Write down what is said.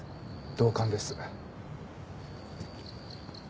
同感です。